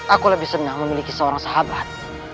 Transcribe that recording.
aku lebih senang memiliki seorang sahabat